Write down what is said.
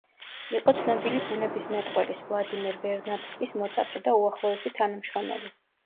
იყო ცნობილი ბუნებისმეტყველის ვლადიმერ ვერნადსკის მოწაფე და უახლოესი თანამშრომელი.